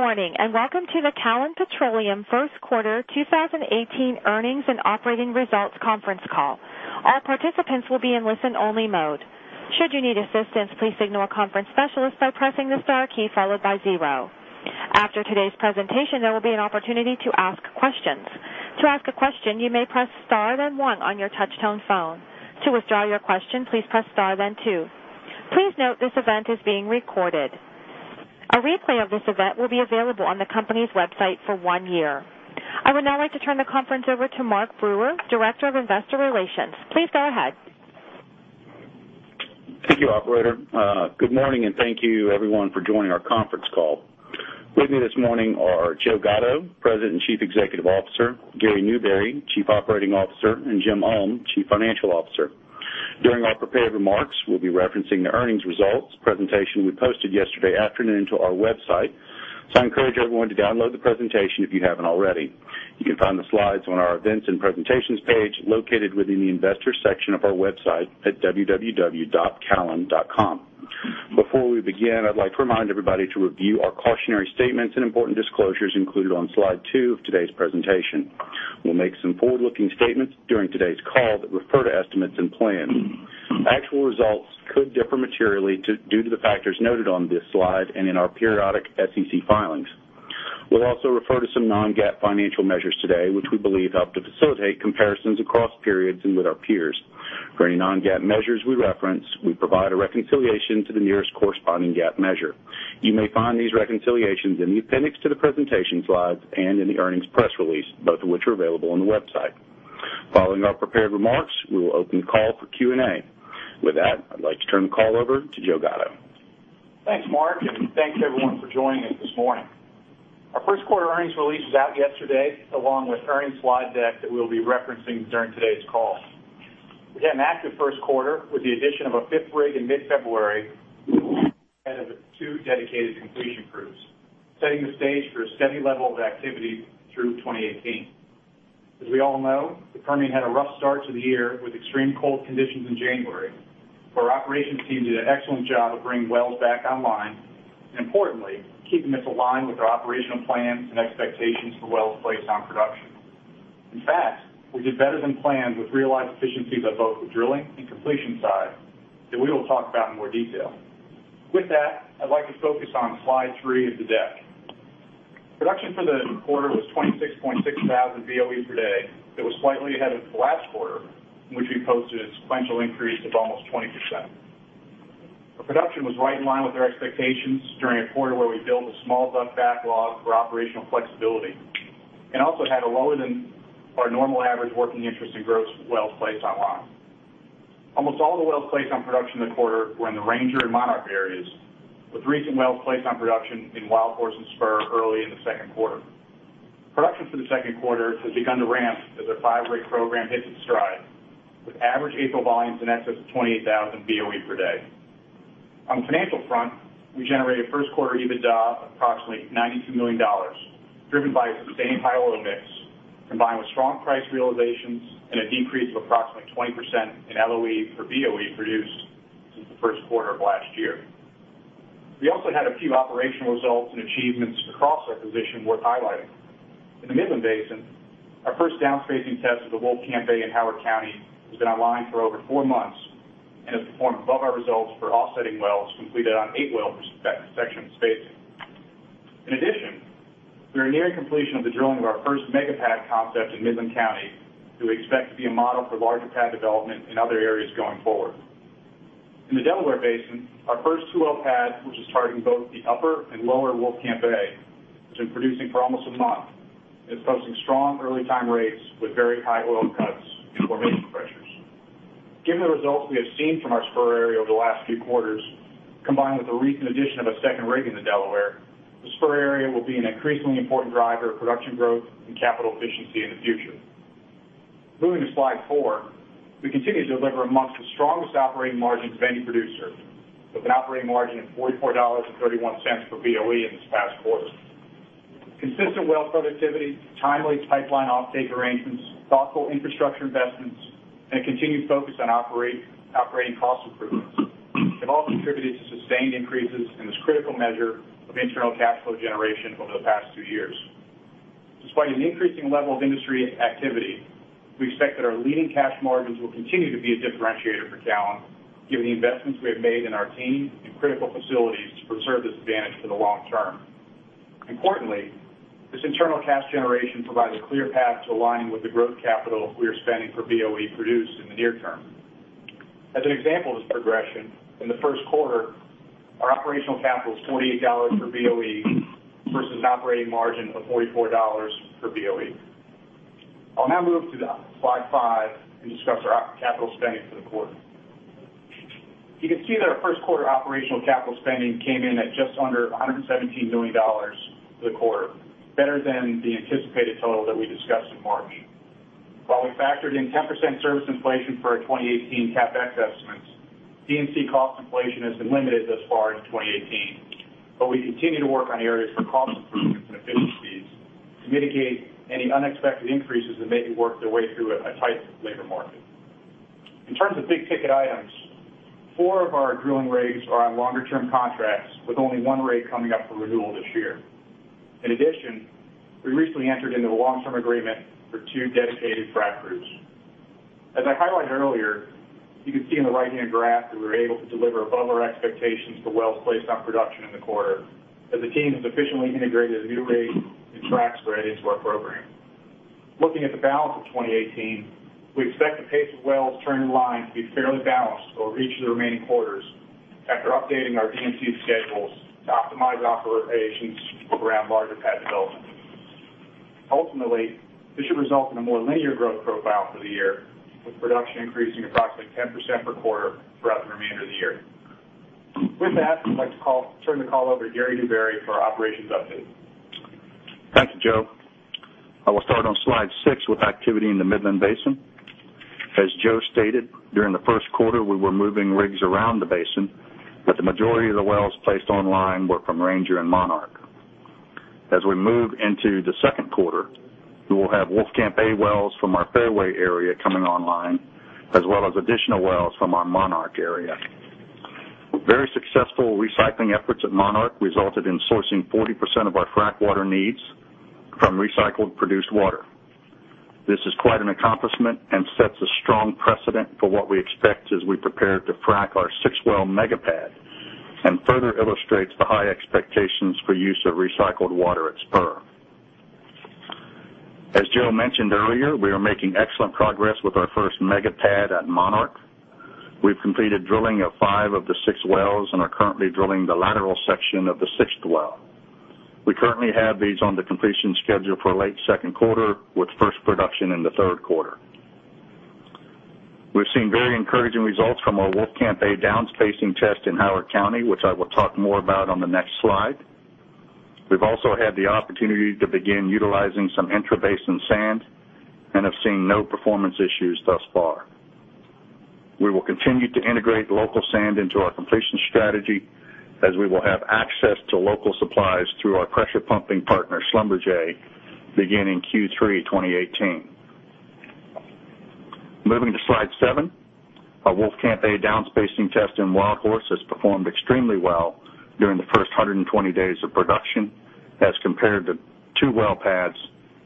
Good morning, and welcome to the Callon Petroleum first quarter 2018 earnings and operating results conference call. All participants will be in listen-only mode. Should you need assistance, please signal a conference specialist by pressing the star key followed by zero. After today's presentation, there will be an opportunity to ask questions. To ask a question, you may press star, then one on your touch-tone phone. To withdraw your question, please press star, then two. Please note, this event is being recorded. A replay of this event will be available on the company's website for one year. I would now like to turn the conference over to Mark Brewer, Director of Investor Relations. Please go ahead. Thank you, operator. Good morning, and thank you everyone for joining our conference call. With me this morning are Joe Gatto, President and Chief Executive Officer, Gary Newberry, Chief Operating Officer, and Jim Ulm, Chief Financial Officer. During our prepared remarks, we'll be referencing the earnings results presentation we posted yesterday afternoon to our website, so I encourage everyone to download the presentation if you haven't already. You can find the slides on our Events and Presentations page, located within the Investors section of our website at www.callon.com. Before we begin, I'd like to remind everybody to review our cautionary statements and important disclosures included on slide two of today's presentation. We'll make some forward-looking statements during today's call that refer to estimates and plans. Actual results could differ materially due to the factors noted on this slide and in our periodic SEC filings. We'll also refer to some non-GAAP financial measures today, which we believe help to facilitate comparisons across periods and with our peers. For any non-GAAP measures we reference, we provide a reconciliation to the nearest corresponding GAAP measure. You may find these reconciliations in the appendix to the presentation slides and in the earnings press release, both of which are available on the website. Following our prepared remarks, we will open the call for Q&A. With that, I'd like to turn the call over to Joe Gatto. Thanks, Mark. Thanks everyone for joining us this morning. Our first quarter earnings release was out yesterday, along with the earnings slide deck that we'll be referencing during today's call. We had an active first quarter with the addition of a fifth rig in mid-February ahead of two dedicated completion crews, setting the stage for a steady level of activity through 2018. As we all know, the Permian had a rough start to the year with extreme cold conditions in January, but our operations team did an excellent job of bringing wells back online and importantly, keeping us aligned with our operational plans and expectations for wells placed on production. In fact, we did better than planned with realized efficiencies on both the drilling and completion side that we will talk about in more detail. With that, I'd like to focus on slide three of the deck. Production for the quarter was 26.6 thousand BOE per day. That was slightly ahead of the last quarter, in which we posted a sequential increase of almost 20%. Our production was right in line with our expectations during a quarter where we built a small but backlog for operational flexibility, and also had a lower than our normal average working interest in gross wells placed online. Almost all the wells placed on production in the quarter were in the Ranger and Monarch areas, with recent wells placed on production in WildHorse and Spur early in the second quarter. Production for the second quarter has begun to ramp as our five-rig program hits its stride, with average April volumes in excess of 28 thousand BOE per day. On the financial front, we generated first quarter EBITDA of approximately $92 million, driven by a sustained high oil mix, combined with strong price realizations and a decrease of approximately 20% in LOE per BOE produced since the first quarter of last year. We also had a few operational results and achievements across our position worth highlighting. In the Midland Basin, our first down spacing test of the Wolfcamp A in Howard County has been online for over four months and has performed above our results for offsetting wells completed on eight well per section spacing. In addition, we are nearing completion of the drilling of our first mega pad concept in Midland County, who we expect to be a model for larger pad development in other areas going forward. In the Delaware Basin, our first two-well pad, which is targeting both the Upper and Lower Wolfcamp A, has been producing for almost a month and is posting strong early time rates with very high oil cuts and formation pressures. Given the results we have seen from our Spur area over the last few quarters, combined with the recent addition of a second rig in the Delaware, the Spur area will be an increasingly important driver of production growth and capital efficiency in the future. Moving to slide four, we continue to deliver amongst the strongest operating margins of any producer, with an operating margin of $44.31 per BOE in this past quarter. Consistent well productivity, timely pipeline offtake arrangements, thoughtful infrastructure investments, and a continued focus on operating cost improvements have all contributed to sustained increases in this critical measure of internal cash flow generation over the past two years. Despite an increasing level of industry activity, we expect that our leading cash margins will continue to be a differentiator for Callon, given the investments we have made in our team and critical facilities to preserve this advantage for the long term. Importantly, this internal cash generation provides a clear path to aligning with the growth capital we are spending per BOE produced in the near term. As an example of this progression, in the first quarter, our operational capital was $48 per BOE versus an operating margin of $44 per BOE. I'll now move to slide five and discuss our capital spending for the quarter. You can see that our first quarter operational capital spending came in at just under $117 million for the quarter, better than the anticipated total that we discussed in March. While we factored in 10% service inflation for our 2018 CapEx estimates, D&C cost inflation has been limited thus far in 2018, we continue to work on areas for cost improvement to mitigate any unexpected increases that may work their way through a tight labor market. In terms of big-ticket items, four of our drilling rigs are on longer-term contracts, with only one rig coming up for renewal this year. In addition, we recently entered into a long-term agreement for two dedicated frac crews. As I highlighted earlier, you can see in the right-hand graph that we were able to deliver above our expectations for wells placed on production in the quarter, as the team has efficiently integrated new rigs and frac spread into our program. Looking at the balance of 2018, we expect the pace of wells turning line to be fairly balanced over each of the remaining quarters after updating our D&C schedules to optimize operations around larger pad development. Ultimately, this should result in a more linear growth profile for the year, with production increasing approximately 10% per quarter throughout the remainder of the year. With that, I'd like to turn the call over to Gary Newberry for our operations update. Thank you, Joe. I will start on slide six with activity in the Midland Basin. As Joe stated, during the first quarter, we were moving rigs around the basin, but the majority of the wells placed online were from Ranger and Monarch. As we move into the second quarter, we will have Wolfcamp A wells from our Fairway area coming online, as well as additional wells from our Monarch area. Very successful recycling efforts at Monarch resulted in sourcing 40% of our frac water needs from recycled produced water. This is quite an accomplishment and sets a strong precedent for what we expect as we prepare to frac our six-well mega pad, further illustrates the high expectations for use of recycled water at Spur. As Joe mentioned earlier, we are making excellent progress with our first mega pad at Monarch. We've completed drilling of five of the six wells, and are currently drilling the lateral section of the sixth well. We currently have these on the completion schedule for late second quarter, with first production in the third quarter. We've seen very encouraging results from our Wolfcamp A down-spacing test in Howard County, which I will talk more about on the next slide. We've also had the opportunity to begin utilizing some intra-basin sand, have seen no performance issues thus far. We will continue to integrate local sand into our completion strategy, as we will have access to local supplies through our pressure pumping partner, Schlumberger, beginning Q3 2018. Moving to slide seven. Our Wolfcamp A down-spacing test in WildHorse has performed extremely well during the first 120 days of production as compared to two well pads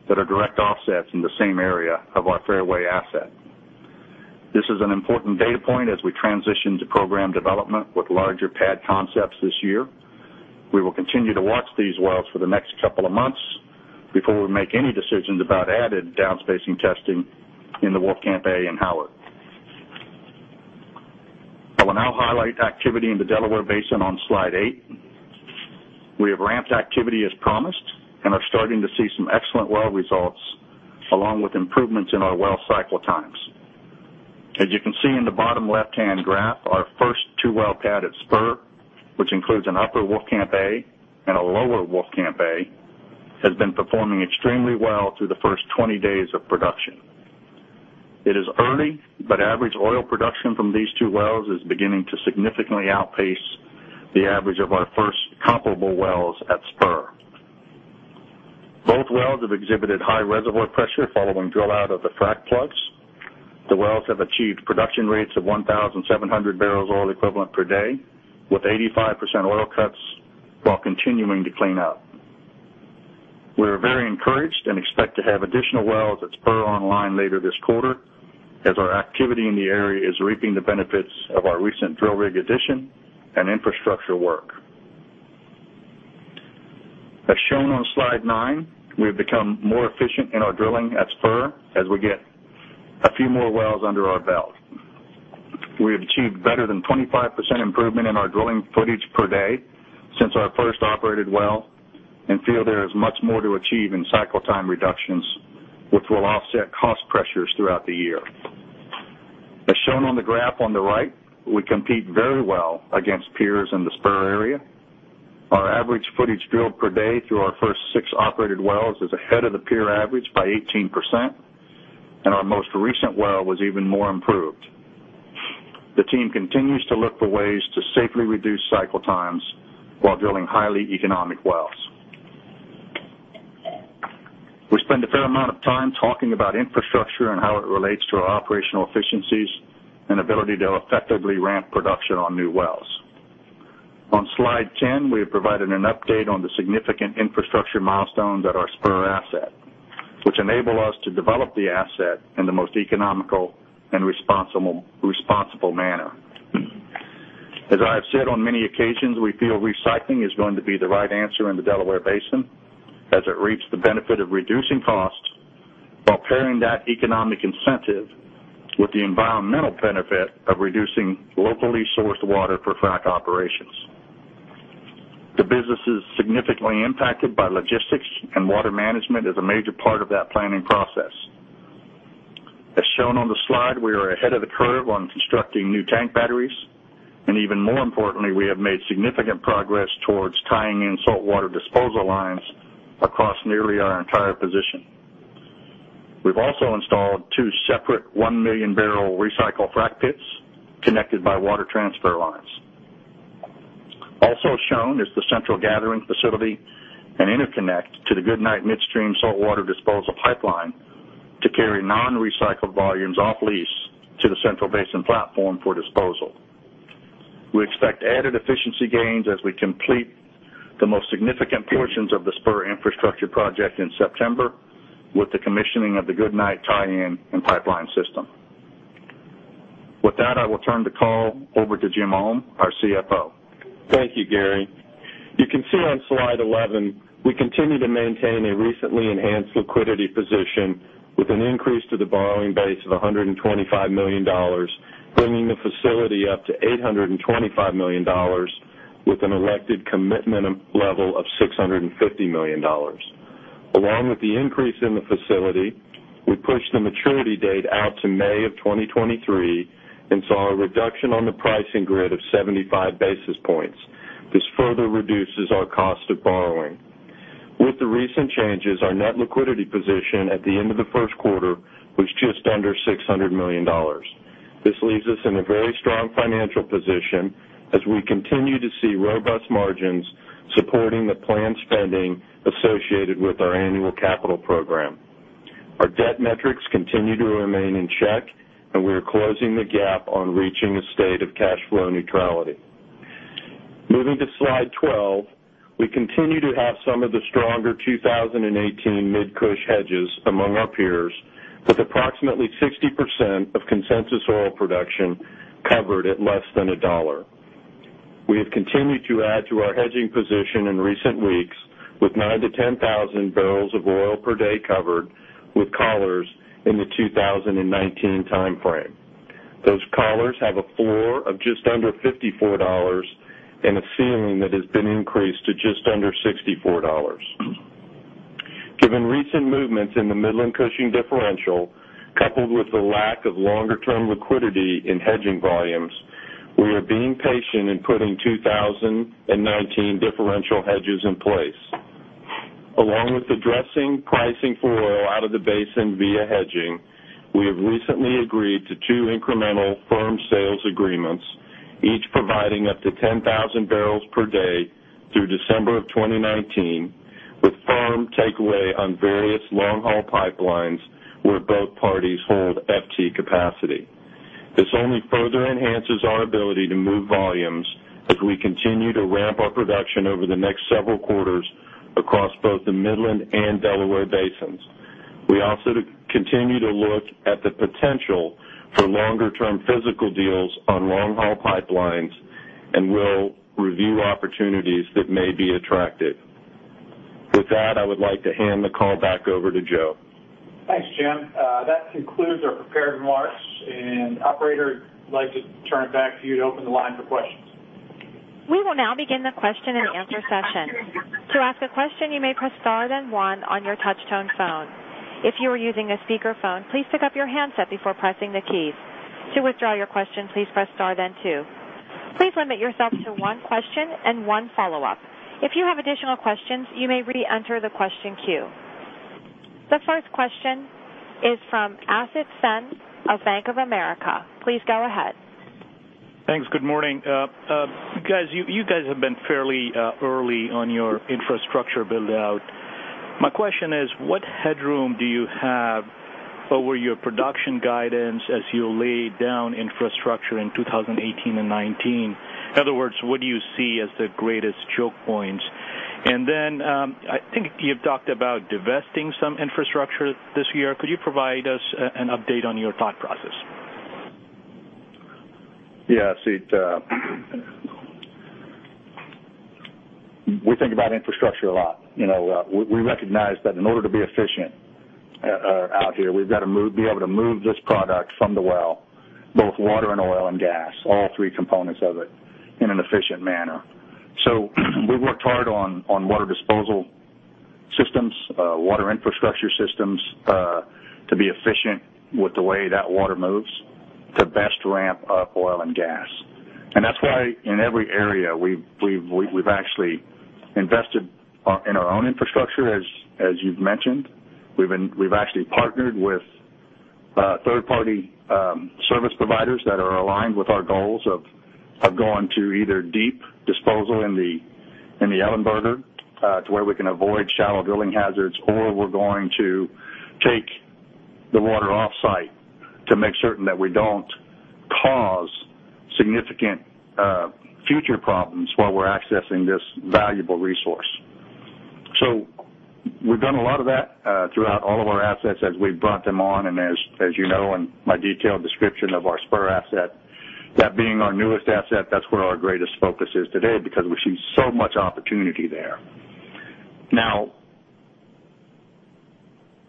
that are direct offsets in the same area of our Fairway asset. This is an important data point as we transition to program development with larger pad concepts this year. We will continue to watch these wells for the next couple of months before we make any decisions about added down-spacing testing in the Wolfcamp A and Howard. I will now highlight activity in the Delaware Basin on slide eight. We have ramped activity as promised, and are starting to see some excellent well results, along with improvements in our well cycle times. As you can see in the bottom left-hand graph, our first two-well pad at Spur, which includes an Upper Wolfcamp A and a Lower Wolfcamp A, has been performing extremely well through the first 20 days of production. It is early, but average oil production from these two wells is beginning to significantly outpace the average of our first comparable wells at Spur. Both wells have exhibited high reservoir pressure following drill out of the frac plugs. The wells have achieved production rates of 1,700 BOE per day, with 85% oil cuts while continuing to clean out. We are very encouraged and expect to have additional wells at Spur online later this quarter, as our activity in the area is reaping the benefits of our recent drill rig addition and infrastructure work. As shown on slide nine, we have become more efficient in our drilling at Spur as we get a few more wells under our belt. We have achieved better than 25% improvement in our drilling footage per day since our first operated well, and feel there is much more to achieve in cycle time reductions, which will offset cost pressures throughout the year. As shown on the graph on the right, we compete very well against peers in the Spur area. Our average footage drilled per day through our first six operated wells is ahead of the peer average by 18%, and our most recent well was even more improved. The team continues to look for ways to safely reduce cycle times while drilling highly economic wells. We spend a fair amount of time talking about infrastructure and how it relates to our operational efficiencies and ability to effectively ramp production on new wells. On slide 10, we have provided an update on the significant infrastructure milestones at our Spur asset, which enable us to develop the asset in the most economical and responsible manner. As I have said on many occasions, we feel recycling is going to be the right answer in the Delaware Basin, as it reaps the benefit of reducing costs while pairing that economic incentive with the environmental benefit of reducing locally sourced water for frac operations. The business is significantly impacted by logistics, and water management is a major part of that planning process. As shown on the slide, we are ahead of the curve on constructing new tank batteries, and even more importantly, we have made significant progress towards tying in saltwater disposal lines across nearly our entire position. We've also installed two separate one-million-barrel recycle frac pits connected by water transfer lines. Also shown is the central gathering facility and interconnect to the Goodnight Midstream saltwater disposal pipeline to carry non-recycled volumes off-lease to the Central Basin Platform for disposal. We expect added efficiency gains as we complete the most significant portions of the Spur infrastructure project in September with the commissioning of the Goodnight Midstream tie-in and pipeline system. With that, I will turn the call over to Jim Ulm, our CFO. Thank you, Gary. You can see on slide 11, we continue to maintain a recently enhanced liquidity position with an increase to the borrowing base of $125 million, bringing the facility up to $825 million with an elected commitment level of $650 million. Along with the increase in the facility, we pushed the maturity date out to May of 2023 and saw a reduction on the pricing grid of 75 basis points. This further reduces our cost of borrowing. With the recent changes, our net liquidity position at the end of the first quarter was just under $600 million. This leaves us in a very strong financial position as we continue to see robust margins supporting the planned spending associated with our annual capital program. Our debt metrics continue to remain in check, and we are closing the gap on reaching a state of cash flow neutrality. Moving to slide 12, we continue to have some of the stronger 2018 Mid-Cush hedges among our peers, with approximately 60% of consensus oil production covered at less than $1. We have continued to add to our hedging position in recent weeks, with 9,000 to 10,000 barrels of oil per day covered with collars in the 2019 timeframe. Those collars have a floor of just under $54 and a ceiling that has been increased to just under $64. Given recent movements in the Midland-Cushing differential, coupled with the lack of longer-term liquidity in hedging volumes, we are being patient in putting 2019 differential hedges in place. Along with addressing pricing for oil out of the basin via hedging, we have recently agreed to two incremental firm sales agreements, each providing up to 10,000 barrels per day through December of 2019 with firm takeaway on various long-haul pipelines where both parties hold FT capacity. This only further enhances our ability to move volumes as we continue to ramp our production over the next several quarters across both the Midland and Delaware basins. We also continue to look at the potential for longer-term physical deals on long-haul pipelines and will review opportunities that may be attractive. With that, I would like to hand the call back over to Joe. Thanks, Jim. Operator, I'd like to turn it back to you to open the line for questions. We will now begin the question and answer session. To ask a question, you may press star then one on your touchtone phone. If you are using a speakerphone, please pick up your handset before pressing the keys. To withdraw your question, please press star then two. Please limit yourself to one question and one follow-up. If you have additional questions, you may reenter the question queue. The first question is from Asit Sen of Bank of America. Please go ahead. Thanks. Good morning. You guys have been fairly early on your infrastructure build-out. My question is, what headroom do you have over your production guidance as you lay down infrastructure in 2018 and 2019? In other words, what do you see as the greatest choke points? Then, I think you've talked about divesting some infrastructure this year. Could you provide us an update on your thought process? Yeah, Asit, we think about infrastructure a lot. We recognize that in order to be efficient out here, we've got to be able to move this product from the well, both water and oil and gas, all three components of it, in an efficient manner. We've worked hard on water disposal systems, water infrastructure systems to be efficient with the way that water moves to best ramp up oil and gas. That's why in every area, we've actually invested in our own infrastructure, as you've mentioned. We've actually partnered with third-party service providers that are aligned with our goals of going to either deep disposal in the Ellenburger to where we can avoid shallow drilling hazards, or we're going to take the water off-site to make certain that we don't cause significant future problems while we're accessing this valuable resource. We've done a lot of that throughout all of our assets as we've brought them on, and as you know, in my detailed description of our Spur asset, that being our newest asset, that's where our greatest focus is today because we see so much opportunity there.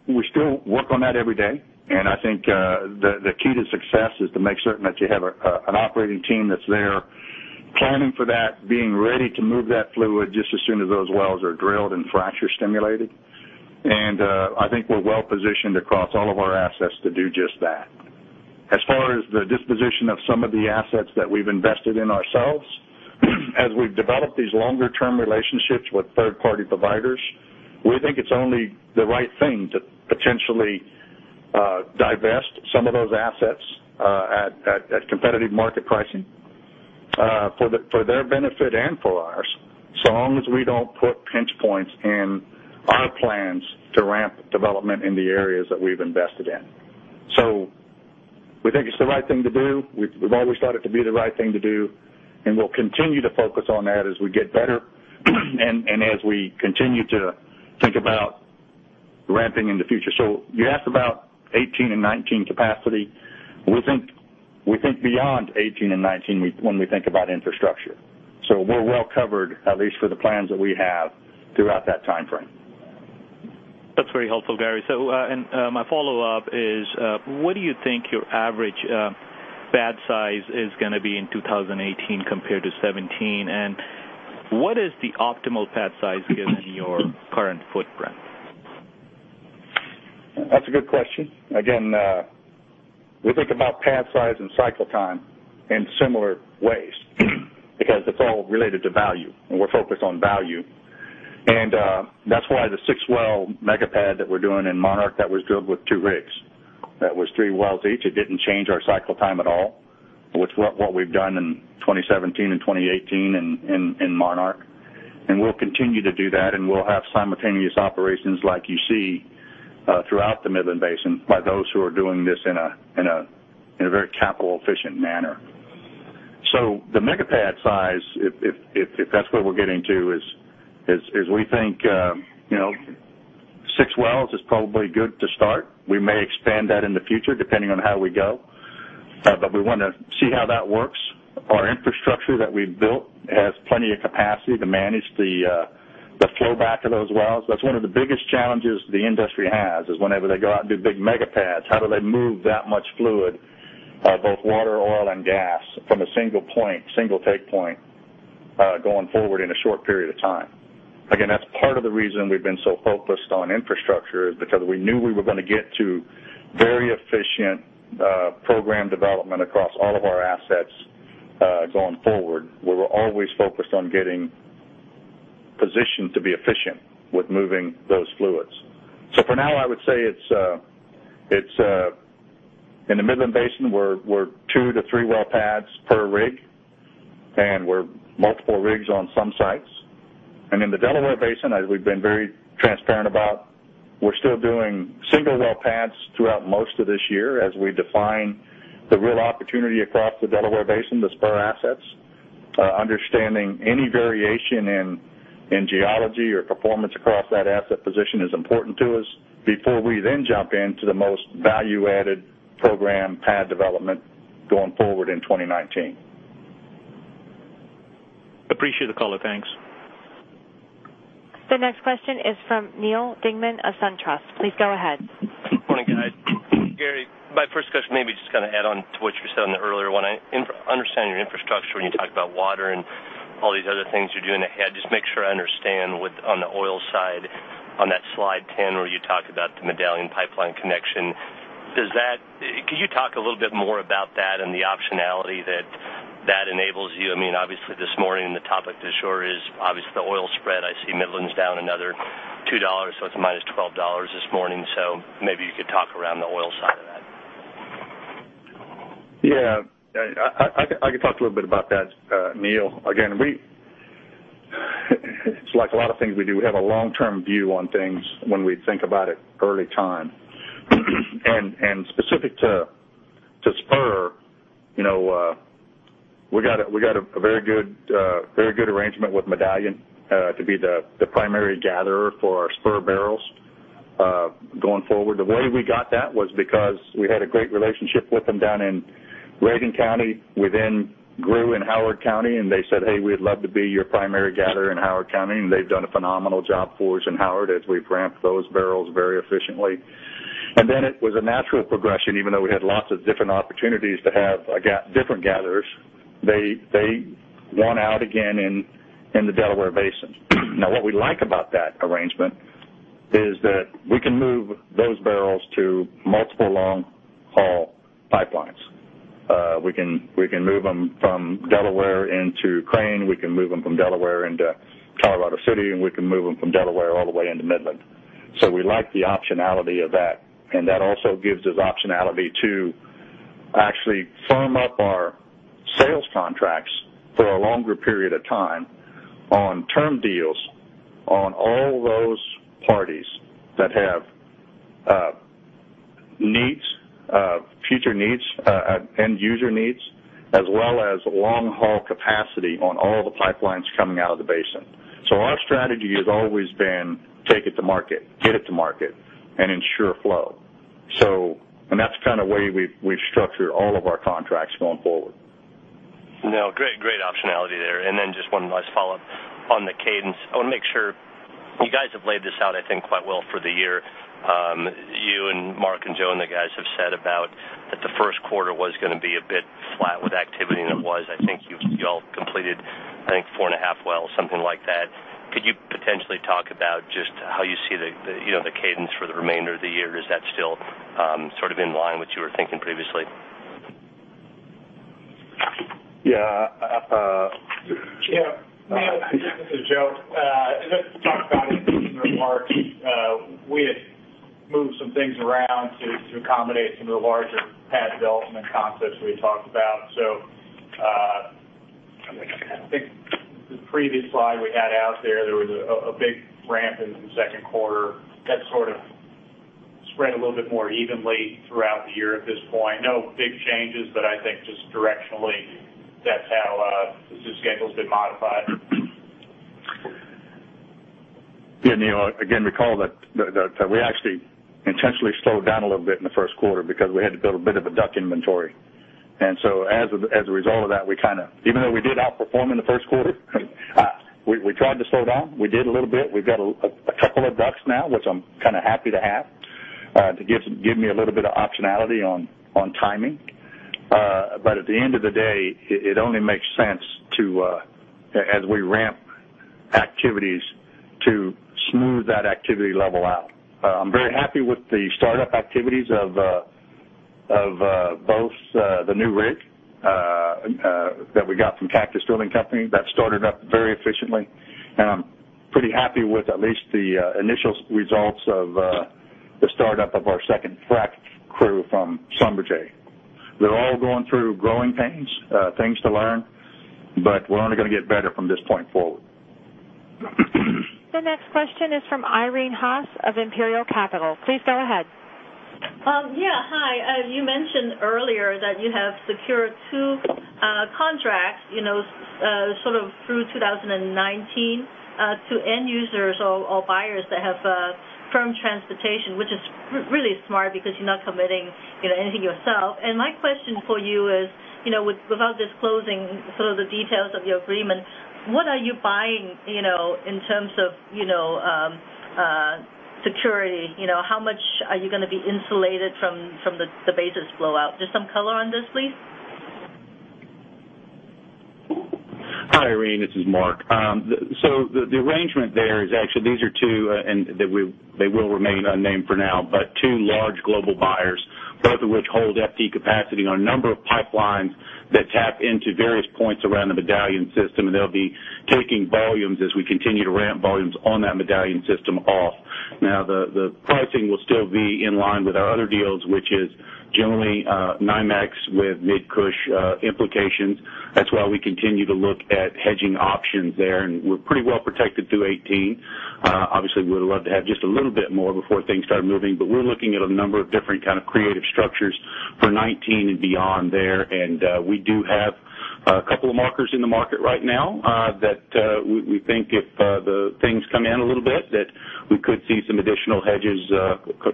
We still work on that every day, and I think the key to success is to make certain that you have an operating team that's there planning for that, being ready to move that fluid just as soon as those wells are drilled and fracture stimulated. I think we're well-positioned across all of our assets to do just that. As far as the disposition of some of the assets that we've invested in ourselves, as we've developed these longer-term relationships with third-party providers, we think it's only the right thing to potentially divest some of those assets at competitive market pricing for their benefit and for ours, so long as we don't put pinch points in our plans to ramp development in the areas that we've invested in. We think it's the right thing to do. We've always thought it to be the right thing to do, and we'll continue to focus on that as we get better and as we continue to think about ramping in the future. You asked about 2018 and 2019 capacity. We think beyond 2018 and 2019, when we think about infrastructure. We're well covered, at least for the plans that we have throughout that timeframe. That's very helpful, Gary. My follow-up is, what do you think your average pad size is going to be in 2018 compared to 2017? What is the optimal pad size given your current footprint? That's a good question. Again, we think about pad size and cycle time in similar ways because it's all related to value, and we're focused on value. That's why the six-well mega pad that we're doing in Monarch that was drilled with two rigs. That was three wells each. It didn't change our cycle time at all, with what we've done in 2017 and 2018 in Monarch. We'll continue to do that, and we'll have simultaneous operations like you see throughout the Midland Basin by those who are doing this in a very capital-efficient manner. The mega pad size, if that's what we're getting to, is we think six wells is probably good to start. We may expand that in the future, depending on how we go. We want to see how that works. Our infrastructure that we've built has plenty of capacity to manage the flow back of those wells. That's one of the biggest challenges the industry has, is whenever they go out and do big mega pads, how do they move that much fluid, both water, oil, and gas from a single take point, going forward in a short period of time? That's part of the reason we've been so focused on infrastructure, is because we knew we were going to get to very efficient program development across all of our assets going forward, where we're always focused on getting positioned to be efficient with moving those fluids. For now, I would say in the Midland Basin, we're two to three well pads per rig, and we're multiple rigs on some sites. In the Delaware Basin, as we've been very transparent about, we're still doing single well pads throughout most of this year as we define the real opportunity across the Delaware Basin, the Spur assets. Understanding any variation in geology or performance across that asset position is important to us before we then jump into the most value-added program pad development going forward in 2019. Appreciate the color. Thanks. The next question is from Neal Dingmann of SunTrust. Please go ahead. Good morning, guys. Gary, my first question, maybe just to add on to what you said on the earlier one. I understand your infrastructure when you talk about water and all these other things you're doing ahead. Just make sure I understand on the oil side, on that slide 10 where you talk about the Medallion pipeline connection. Could you talk a little bit more about that and the optionality that enables you? Obviously, this morning, the topic for sure is obviously the oil spread. I see Midland's down another $2, so it's -$12 this morning. Maybe you could talk around the oil side of that. Yeah. I could talk a little bit about that, Neal. Again, it's like a lot of things we do. We have a long-term view on things when we think about it early time. Specific to Spur, we got a very good arrangement with Medallion to be the primary gatherer for our Spur barrels going forward. The way we got that was because we had a great relationship with them down in Reagan County. We then grew in Howard County, and they said, "Hey, we'd love to be your primary gatherer in Howard County." They've done a phenomenal job for us in Howard as we've ramped those barrels very efficiently. It was a natural progression, even though we had lots of different opportunities to have different gatherers. They won out again in the Delaware Basin. What we like about that arrangement is that we can move those barrels to multiple long-haul pipelines. We can move them from Delaware into Crane, we can move them from Delaware into Colorado City, and we can move them from Delaware all the way into Midland. We like the optionality of that, and that also gives us optionality to actually firm up our sales contracts for a longer period of time on term deals on all those parties that have future needs, end-user needs, as well as long-haul capacity on all the pipelines coming out of the basin. Our strategy has always been take it to market, get it to market, and ensure flow. That's the way we've structured all of our contracts going forward. No, great optionality there. Just one last follow-up on the cadence. I want to make sure, you guys have laid this out, I think, quite well for the year. You and Mark and Joe Gatto and the guys have said about that the first quarter was going to be a bit flat with activity, and it was. I think you all completed, I think four and a half wells, something like that. Could you potentially talk about just how you see the cadence for the remainder of the year? Is that still in line with what you were thinking previously? Yeah. Yeah. This is Joe. As I talked about in the opening remarks, we had moved some things around to accommodate some of the larger pad development concepts we talked about. I think the previous slide we had out there was a big ramp in the second quarter that sort of spread a little bit more evenly throughout the year at this point. No big changes, I think just directionally, that's how the schedule's been modified. Yeah, you all, again, recall that we actually intentionally slowed down a little bit in the first quarter because we had to build a bit of a DUC inventory. As a result of that, even though we did outperform in the first quarter, we tried to slow down. We did a little bit. We've got a couple of DUCs now, which I'm happy to have to give me a little bit of optionality on timing. At the end of the day, it only makes sense to, as we ramp activities, to smooth that activity level out. I'm very happy with the startup activities of both the new rig that we got from Cactus Drilling Company. That started up very efficiently, and I'm pretty happy with at least the initial results of the startup of our second frack crew from Schlumberger. They're all going through growing pains, things to learn, but we're only going to get better from this point forward. The next question is from Irene Haas of Imperial Capital. Please go ahead. Yeah. Hi. You mentioned earlier that you have secured two contracts sort of through 2019 to end users or buyers that have firm transportation, which is really smart because you're not committing anything yourself. My question for you is, without disclosing sort of the details of your agreement, what are you buying in terms of security? How much are you going to be insulated from the basis blowout? Just some color on this, please. Hi, Irene. This is Mark. The arrangement there is actually, these are two, and they will remain unnamed for now, but two large global buyers, both of which hold FT capacity on a number of pipelines that tap into various points around the Medallion system. They'll be taking volumes as we continue to ramp volumes on that Medallion system off. Now, the pricing will still be in line with our other deals, which is generally NYMEX with Mid-Cush implications. That's why we continue to look at hedging options there, and we're pretty well protected through 2018. Obviously, we would love to have just a little bit more before things start moving, we're looking at a number of different kind of creative structures for 2019 and beyond there. We do have a couple of markers in the market right now that we think if the things come in a little bit, that we could see some additional hedges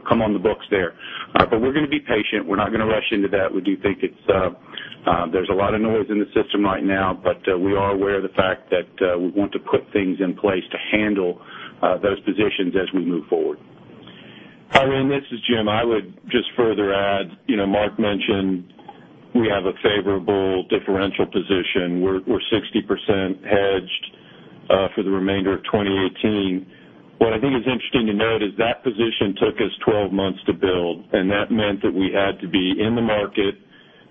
come on the books there. We're going to be patient. We're not going to rush into that. We do think there's a lot of noise in the system right now, we are aware of the fact that we want to put things in place to handle those positions as we move forward. Irene, this is Jim. I would just further add, Mark mentioned we have a favorable differential position. We're 60% hedged for the remainder of 2018. What I think is interesting to note is that position took us 12 months to build, that meant that we had to be in the market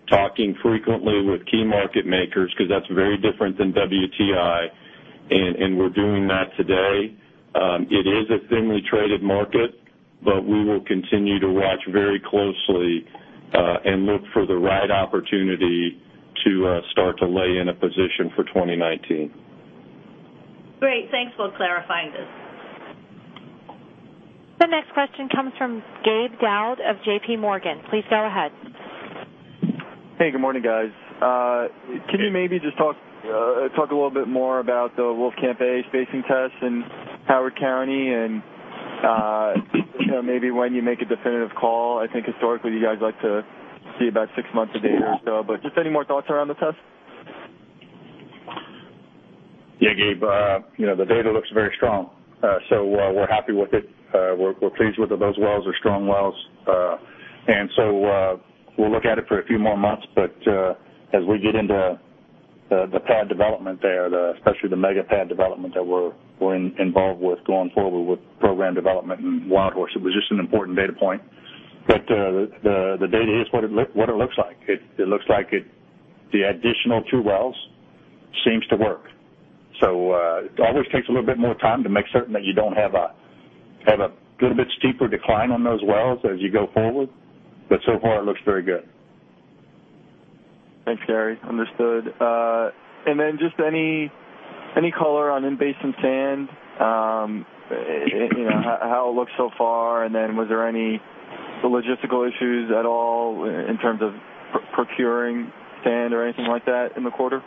talking frequently with key market makers because that's very different than WTI, we're doing that today. It is a thinly traded market, we will continue to watch very closely and look for the right opportunity to start to lay in a position for 2019. Great. Thanks for clarifying this. The next question comes from Gabe Daoud of JPMorgan. Please go ahead. Hey, good morning, guys. Hey. Can you maybe just talk a little bit more about the Wolfcamp A spacing tests in Howard County and maybe when you make a definitive call? I think historically, you guys like to see about six months of data or so, just any more thoughts around the test? Yeah, Gabe. The data looks very strong. We're happy with it. We're pleased with it. Those wells are strong wells. We'll look at it for a few more months, but as we get into the pad development there, especially the mega pad development that we're involved with going forward with program development in WildHorse, it was just an important data point. The data is what it looks like. It looks like the additional two wells seems to work. It always takes a little bit more time to make certain that you don't have a little bit steeper decline on those wells as you go forward. So far, it looks very good. Thanks, Gary. Understood. Just any color on in-basin sand? How it looks so far, and then was there any logistical issues at all in terms of procuring sand or anything like that in the quarter?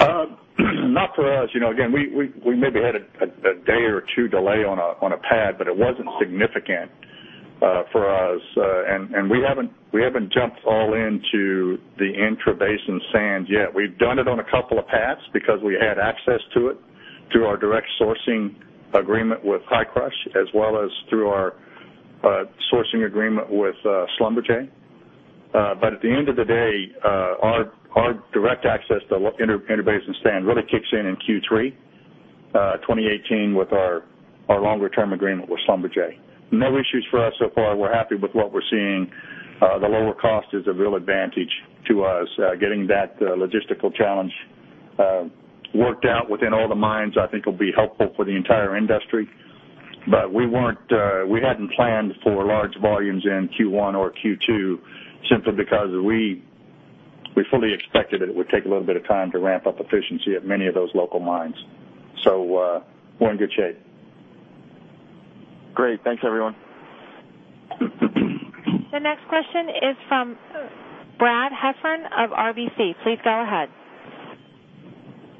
Not for us. Again, we maybe had a day or two delay on a pad, but it wasn't significant for us. We haven't jumped all into the intrabasin sand yet. We've done it on a couple of pads because we had access to it through our direct sourcing agreement with Hi-Crush, as well as through our sourcing agreement with Schlumberger. At the end of the day, our direct access to intrabasin sand really kicks in in Q3 2018 with our longer-term agreement with Schlumberger. No issues for us so far. We're happy with what we're seeing. The lower cost is a real advantage to us. Getting that logistical challenge worked out within all the mines, I think, will be helpful for the entire industry. We hadn't planned for large volumes in Q1 or Q2, simply because we fully expected that it would take a little bit of time to ramp up efficiency at many of those local mines. We're in good shape. Great. Thanks, everyone. The next question is from Brad Heffern of RBC. Please go ahead.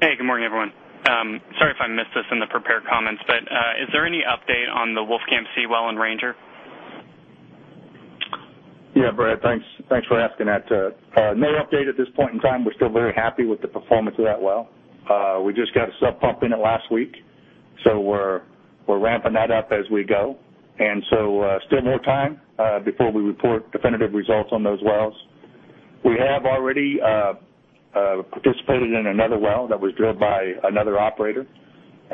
Hey, good morning, everyone. Sorry if I missed this in the prepared comments, is there any update on the Wolfcamp C well in Ranger? Yeah, Brad. Thanks for asking that. No update at this point in time. We're still very happy with the performance of that well. We just got a sub pump in it last week, so we're ramping that up as we go, and so still more time before we report definitive results on those wells. We have already participated in another well that was drilled by another operator.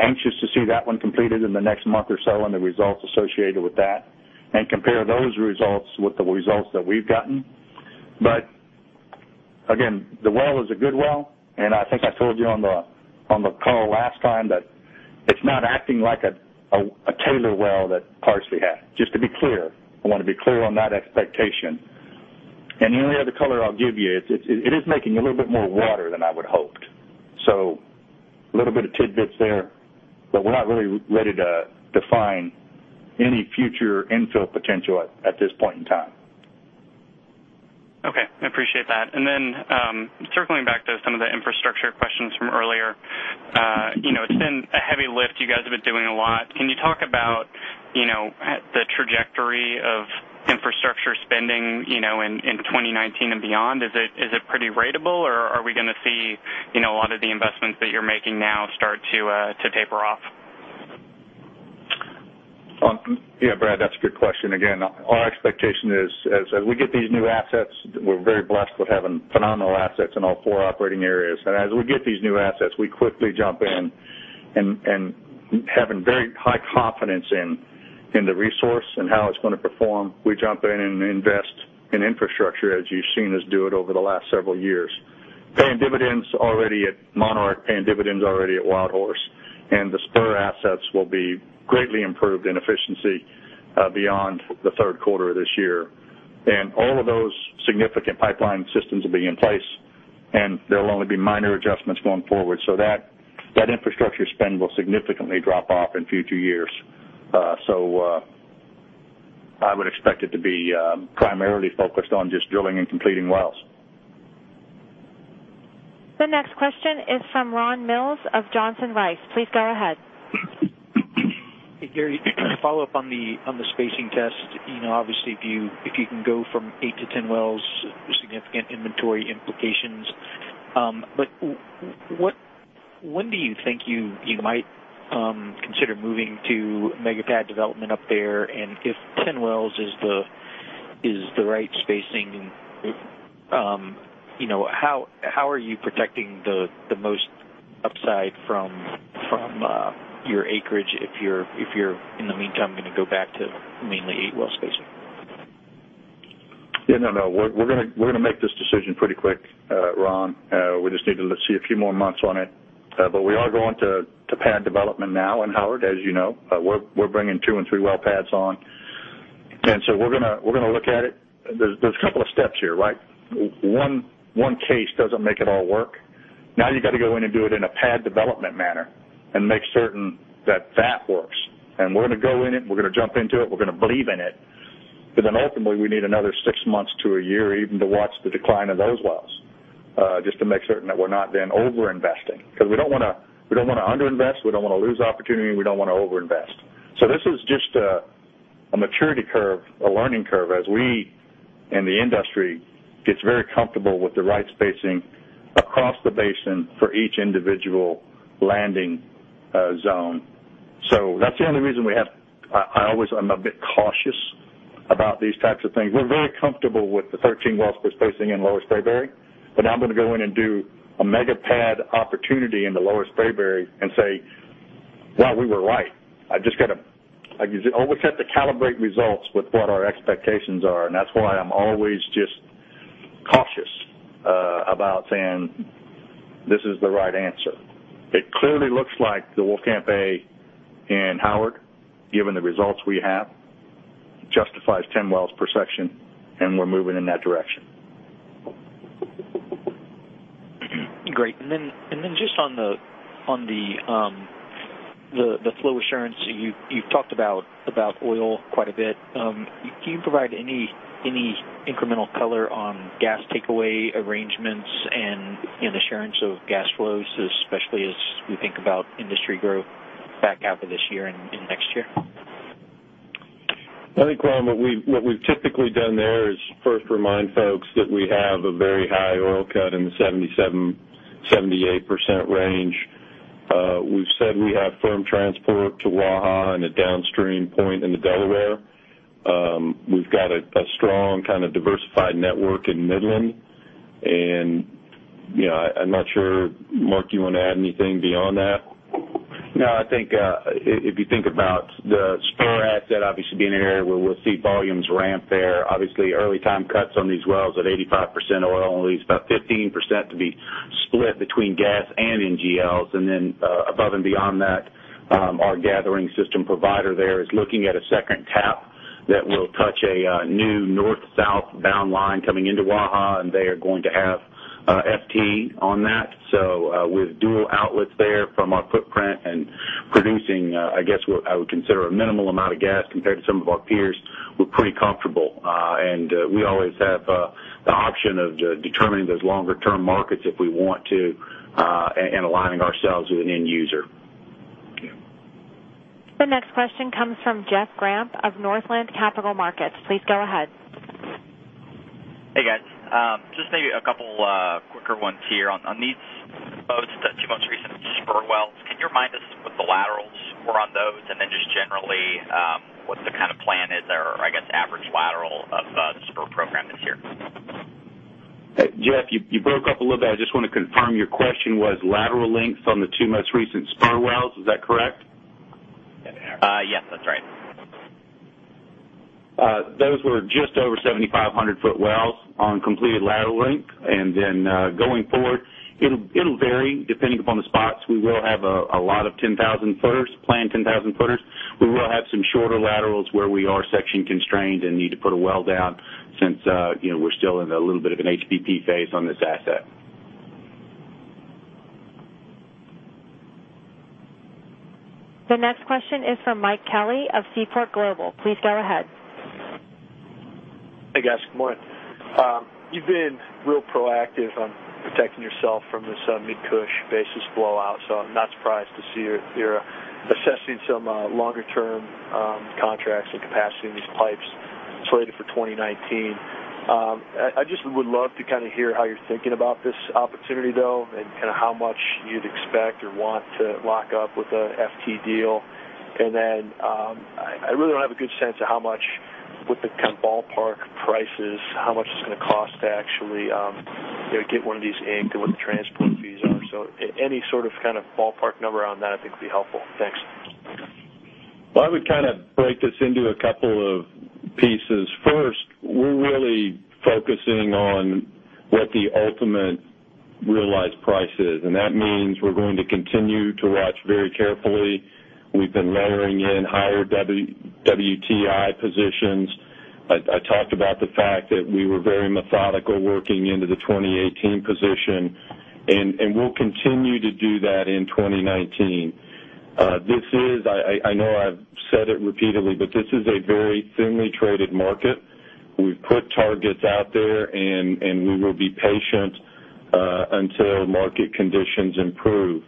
Anxious to see that one completed in the next month or so and the results associated with that and compare those results with the results that we've gotten. Again, the well is a good well, and I think I told you on the call last time that it's not acting like a Taylor well that Parsley had. Just to be clear, I want to be clear on that expectation. The only other color I'll give you, it is making a little bit more water than I would hoped. A little bit of tidbits there, but we're not really ready to define any future infill potential at this point in time. Okay. I appreciate that. Circling back to some of the infrastructure questions from earlier. It's been a heavy lift. You guys have been doing a lot. Can you talk about the trajectory of infrastructure spending in 2019 and beyond? Is it pretty ratable, or are we going to see a lot of the investments that you're making now start to taper off? Yeah, Brad, that's a good question. Again, our expectation is as we get these new assets, we're very blessed with having phenomenal assets in all four operating areas. As we get these new assets, we quickly jump in, and having very high confidence in the resource and how it's going to perform. We jump in and invest in infrastructure, as you've seen us do it over the last several years. Paying dividends already at Monarch, paying dividends already at WildHorse, and the Spur assets will be greatly improved in efficiency beyond the third quarter of this year. All of those significant pipeline systems will be in place, and there will only be minor adjustments going forward. That infrastructure spend will significantly drop off in future years. I would expect it to be primarily focused on just drilling and completing wells. The next question is from Ron Mills of Johnson Rice. Please go ahead. Hey, Gary. Follow-up on the spacing test. Obviously, if you can go from eight to 10 wells, significant inventory implications. When do you think you might consider moving to mega-pad development up there? If 10 wells is the right spacing, how are you protecting the most upside from your acreage if you're, in the meantime, going to go back to mainly eight-well spacing? Yeah, no. We're going to make this decision pretty quick, Ron. We just need to see a few more months on it. We are going to pad development now in Howard, as you know. We're bringing two and three well pads on. We're going to look at it. There's a couple of steps here, right? One case doesn't make it all work. You got to go in and do it in a pad development manner and make certain that that works. We're going to go in it, we're going to jump into it, we're going to believe in it. Ultimately, we need another six months to a year even to watch the decline of those wells, just to make certain that we're not then over-investing because we don't want to under-invest, we don't want to lose opportunity, we don't want to over-invest. This is just a maturity curve, a learning curve as we, and the industry gets very comfortable with the right spacing across the basin for each individual landing zone. That's the only reason I'm a bit cautious about these types of things. We're very comfortable with the 13 wells we're spacing in Lower Spraberry, I'm going to go in and do a mega-pad opportunity in the Lower Spraberry and say, "Well, we were right." I always have to calibrate results with what our expectations are, that's why I'm always just cautious about saying this is the right answer. It clearly looks like the Wolfcamp A and Howard, given the results we have, justifies 10 wells per section, we're moving in that direction. Great. Just on the flow assurance, you've talked about oil quite a bit. Can you provide any incremental color on gas takeaway arrangements and assurance of gas flows, especially as we think about industry growth back half of this year and next year? I think, Ron, what we've typically done there is first remind folks that we have a very high oil cut in the 77%-78% range. We've said we have firm transport to Waha and a downstream point in the Delaware We've got a strong, kind of diversified network in Midland. I'm not sure, Mark, you want to add anything beyond that? No, I think if you think about the Spur asset, obviously being an area where we'll see volumes ramp there, obviously early time cuts on these wells at 85% oil, only leaves about 15% to be split between gas and NGLs. Above and beyond that, our gathering system provider there is looking at a second tap that will touch a new north-south bound line coming into Waha, they are going to have FT on that. With dual outlets there from our footprint and producing, I guess, I would consider a minimal amount of gas compared to some of our peers, we're pretty comfortable. We always have the option of determining those longer-term markets if we want to, and aligning ourselves with an end user. Yeah. The next question comes from Jeff Grampp of Northland Capital Markets. Please go ahead. Hey, guys. Just maybe a couple quicker ones here. On these two most recent Spur wells, can you remind us what the laterals were on those? Just generally, what the plan is there, I guess, average lateral of the Spur program this year? Jeff, you broke up a little bit. I just want to confirm your question was lateral lengths on the two most recent Spur wells. Is that correct? Yes, that's right. Those were just over 7,500-foot wells on completed lateral length. Going forward, it'll vary depending upon the spots. We will have a lot of 10,000 footers, planned 10,000 footers. We will have some shorter laterals where we are section constrained and need to put a well down since we're still in a little bit of an HBP phase on this asset. The next question is from Mike Kelly of Seaport Global. Please go ahead. Hey, guys. Good morning. You've been real proactive on protecting yourself from this Mid-Cush basis blowout, I'm not surprised to see you're assessing some longer-term contracts with capacity in these pipes slated for 2019. I just would love to hear how you're thinking about this opportunity, though, and how much you'd expect or want to lock up with a FT deal. I really don't have a good sense of how much with the ballpark prices, how much it's going to cost to actually get one of these inked and what the transport fees are. Any sort of ballpark number on that I think would be helpful. Thanks. Well, I would break this into a couple of pieces. First, we're really focusing on what the ultimate realized price is, that means we're going to continue to watch very carefully. We've been layering in higher WTI positions. I talked about the fact that we were very methodical working into the 2018 position, we'll continue to do that in 2019. I know I've said it repeatedly, this is a very thinly traded market. We've put targets out there, we will be patient until market conditions improve.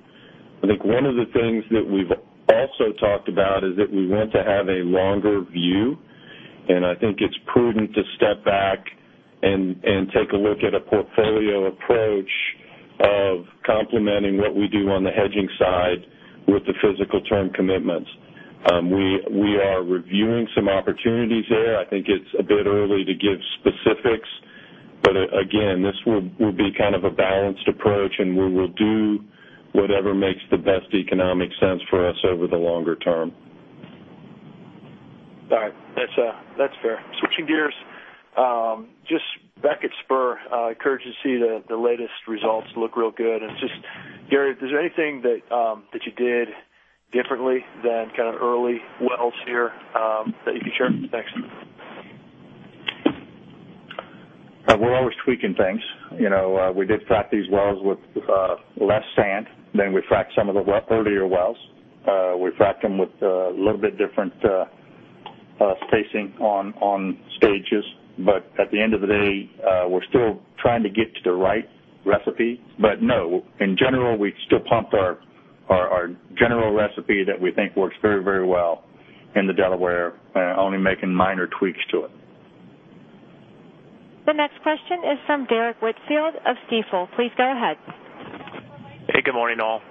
I think one of the things that we've also talked about is that we want to have a longer view, I think it's prudent to step back and take a look at a portfolio approach of complementing what we do on the hedging side with the physical term commitments. We are reviewing some opportunities there. I think it's a bit early to give specifics, again, this will be a balanced approach, we will do whatever makes the best economic sense for us over the longer term. All right. That's fair. Switching gears, just back at Spur, encouraging to see the latest results look real good. Just, Gary, is there anything that you did differently than early wells here that you can share? Thanks. We're always tweaking things. We did frac these wells with less sand than we fracked some of the earlier wells. We fracked them with a little bit different spacing on stages. At the end of the day, we're still trying to get to the right recipe. No, in general, we still pump our general recipe that we think works very well in the Delaware, only making minor tweaks to it. The next question is from Derrick Whitfield of Stifel. Please go ahead. Hey, good morning, all.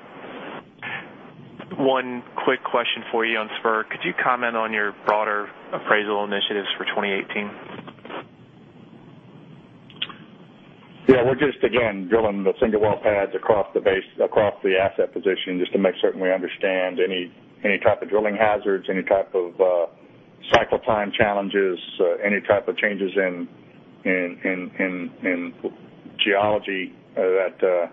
One quick question for you on Spur. Could you comment on your broader appraisal initiatives for 2018? Yeah, we're just again, drilling the single well pads across the asset position just to make certain we understand any type of drilling hazards, any type of cycle time challenges, any type of changes in geology that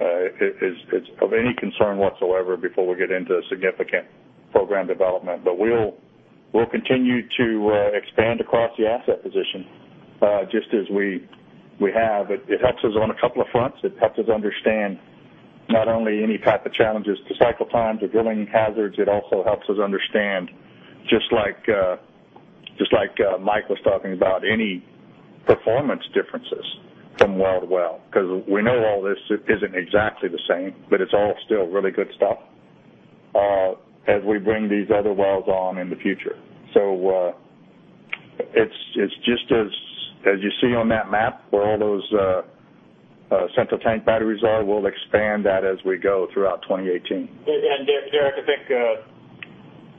is of any concern whatsoever before we get into significant program development. We'll continue to expand across the asset position just as we have. It helps us on a couple of fronts. It helps us understand not only any type of challenges to cycle times or drilling hazards, it also helps us understand, just like Mike was talking about, any performance differences from well to well. Because we know all this isn't exactly the same, but it's all still really good stuff as we bring these other wells on in the future. It's just as you see on that map where all those Central tank batteries are. We'll expand that as we go throughout 2018. Derrick, I think,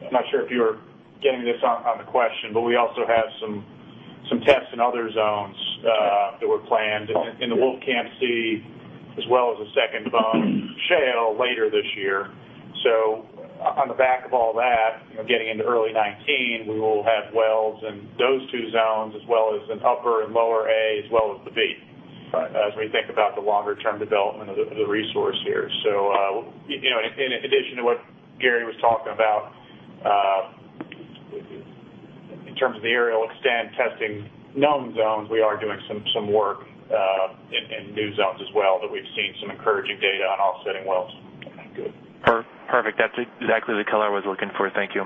I'm not sure if you were getting this on the question, but we also have some tests in other zones that were planned in the Wolfcamp C, as well as a second Bone Spring later this year. On the back of all that, getting into early 2019, we will have wells in those two zones, as well as in Upper and Lower A, as well as the B. Right. As we think about the longer-term development of the resource here. In addition to what Gary was talking about, in terms of the aerial extent testing known zones, we are doing some work in new zones as well, that we've seen some encouraging data on offsetting wells. Okay, good. Perfect. That's exactly the color I was looking for. Thank you.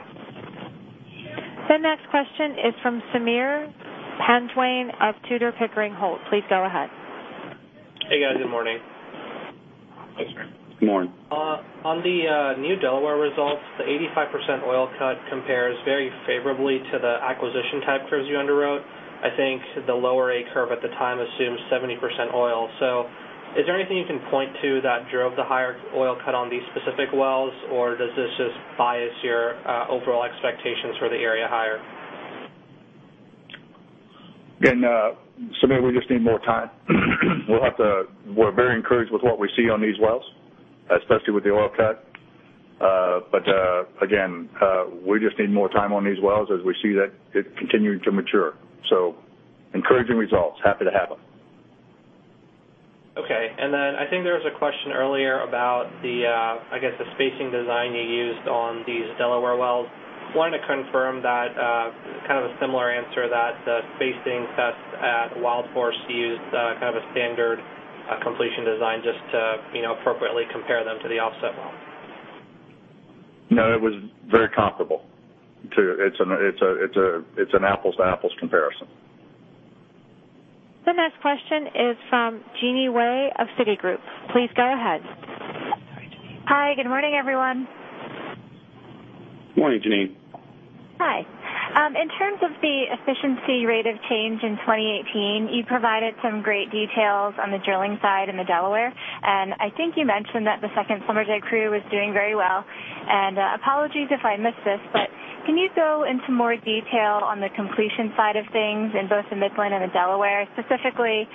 The next question is from Sameer Panjwani of Tudor, Pickering, Holt. Please go ahead. Hey, guys. Good morning. Hey, Sameer. Morning. On the new Delaware results, the 85% oil cut compares very favorably to the acquisition type curves you underwrote. I think the Lower A curve at the time assumes 70% oil. Is there anything you can point to that drove the higher oil cut on these specific wells, or does this just bias your overall expectations for the area higher? Again, Sameer, we just need more time. We're very encouraged with what we see on these wells, especially with the oil cut. Again, we just need more time on these wells as we see that it continuing to mature. Encouraging results, happy to have them. Okay, then I think there was a question earlier about the, I guess, the spacing design you used on these Delaware wells. Wanted to confirm that, kind of a similar answer, that the spacing tests at WildHorse used kind of a standard completion design just to appropriately compare them to the offset well. No, it was very comparable to. It's an apples to apples comparison. The next question is from Jeanine Wai of Citigroup. Please go ahead. Hi. Good morning, everyone. Morning, Jeanine. Hi. In terms of the efficiency rate of change in 2018, you provided some great details on the drilling side in the Delaware. I think you mentioned that the second Schlumberger crew is doing very well. Apologies if I missed this, but can you go into more detail on the completion side of things in both the Midland and the Delaware? Specifically,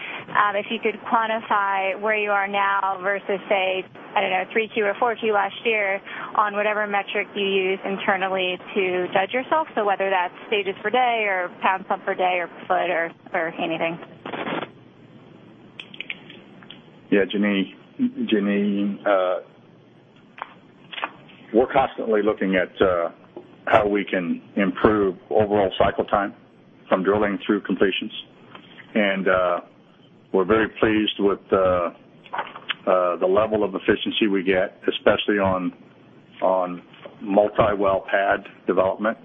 if you could quantify where you are now versus, say, I don't know, 3Q or 4Q last year on whatever metric you use internally to judge yourself. Whether that's stages per day or pounds pumped per day or feet or anything. Yeah, Jeanine. We're constantly looking at how we can improve overall cycle time from drilling through completions. We're very pleased with the level of efficiency we get, especially on multi-well pad development,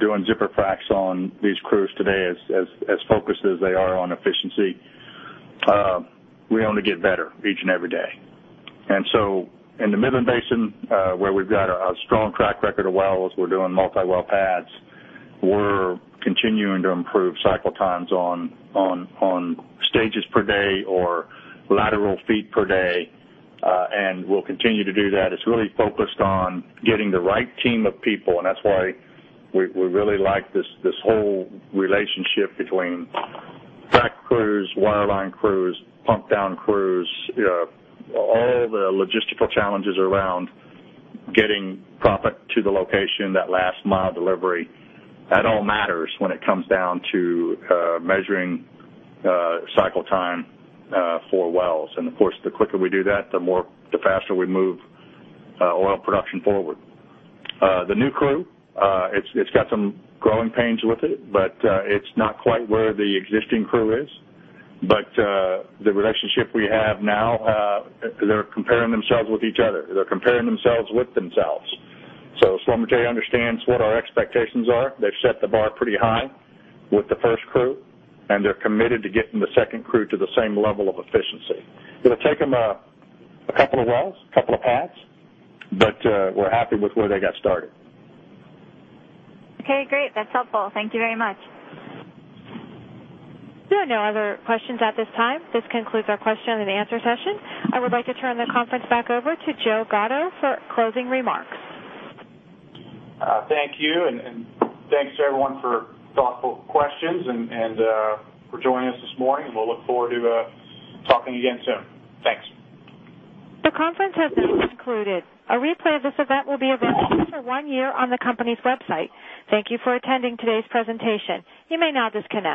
doing zipper fracs on these crews today, as focused as they are on efficiency. We only get better each and every day. In the Midland Basin, where we've got a strong track record of wells, we're doing multi-well pads. We're continuing to improve cycle times on stages per day or lateral feet per day. We'll continue to do that. It's really focused on getting the right team of people, and that's why we really like this whole relationship between frac crews, wireline crews, pump down crews, all the logistical challenges around getting proppant to the location, that last mile delivery. That all matters when it comes down to measuring cycle time for wells. Of course, the quicker we do that, the faster we move oil production forward. The new crew, it's got some growing pains with it, but it's not quite where the existing crew is. The relationship we have now, they're comparing themselves with each other. They're comparing themselves with themselves. Schlumberger understands what our expectations are. They've set the bar pretty high with the first crew, and they're committed to getting the second crew to the same level of efficiency. It'll take them a couple of wells, a couple of pads, but we're happy with where they got started. Okay, great. That's helpful. Thank you very much. There are no other questions at this time. This concludes our question and answer session. I would like to turn the conference back over to Joe Gatto for closing remarks. Thank you. Thanks to everyone for thoughtful questions and for joining us this morning. We'll look forward to talking again soon. Thanks. The conference has been concluded. A replay of this event will be available for one year on the company's website. Thank you for attending today's presentation. You may now disconnect.